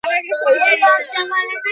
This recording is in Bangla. কি হিসাবনিকাশ করছ?